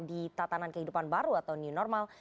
di tatanan kehidupan baru atau new normal